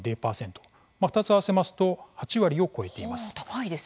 ２つを合わせますと８割を超えています。